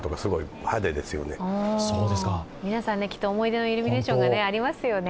皆さん、きっと思い出のイルミネーションがありますよね。